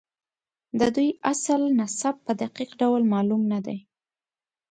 د دوی اصل نسب په دقیق ډول معلوم نه دی.